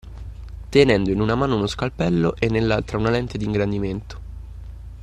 Tenendo in una mano uno scalpello e nell’altra una lente d’ingrandimento